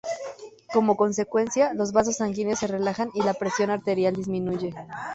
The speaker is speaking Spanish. Como consecuencia, los vasos sanguíneos se relajan y la presión arterial disminuye.